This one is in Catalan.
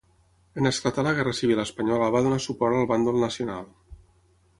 En esclatar la guerra civil espanyola va donar suport al bàndol nacional.